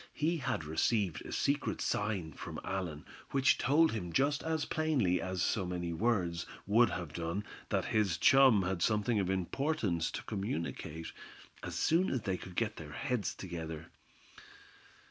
He had received a secret sign from Allan, which told him just as plainly as so many words would have done that his chum had something of importance to communicate, as soon as they could get their heads together.